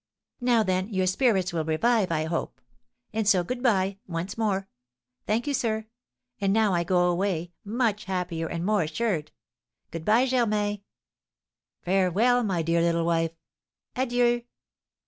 "Now, then, your spirits will revive, I hope! And so good bye, once more. Thank you, sir. And now I go away, much happier and more assured. Good bye, Germain!" "Farewell, my dear little wife!" "Adieu!"